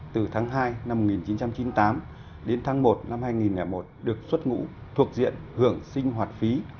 từ tháng hai năm một nghìn chín trăm chín mươi tám đến tháng một năm hai nghìn một được xuất ngũ thuộc diện hưởng sinh hoạt phí